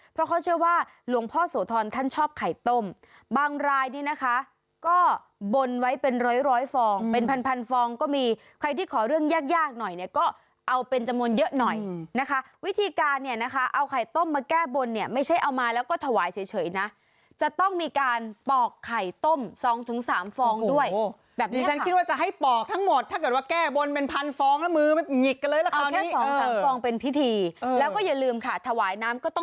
เพราะเขาเชื่อว่าหลวงพ่อโสธรท่านชอบไข่ต้มบางรายดีนะคะก็บนไว้เป็นร้อยฟองเป็นพันธุ์ฟันฟองก็มีใครที่ขอเรื่องยากหน่อยเนี่ยก็เอาเป็นจมนต์เยอะหน่อยนะคะวิธีการเนี่ยนะคะเอาไข่ต้มมาแก้บนเนี่ยไม่ใช่เอามาแล้วก็ถวายเฉยนะจะต้องมีการปอกไข่ต้มสองถึงสามฟองด้วยแบบนี้คิดว่าจะให้ปอกทั้งหมดถ้